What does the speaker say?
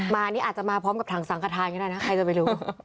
มานี่อาจจะมาพร้อมกับถังสังขทานก็ได้นะใครจะไปรู้